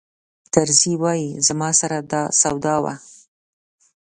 طرزي وایي زما سره دا سودا وه.